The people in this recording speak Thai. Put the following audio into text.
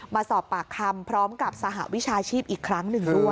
มาสอบปากคำพร้อมกับสหวิชาชีพอีกครั้งหนึ่งด้วย